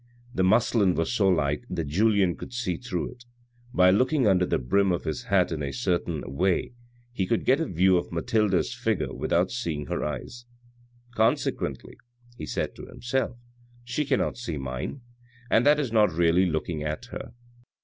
The muslin was so light that Julien could see through it. By looking under the brim of his hat in a certain way, he could get a view of Mathilde's figure without seeing her eyes. "Consequently," he said to himself, "she cannot see mine, and that is not really looking at her."